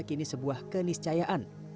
kini sebuah keniscayaan